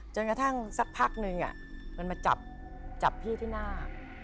จนกระทั่งสักพักนึงมันมาจับพี่ที่หน้า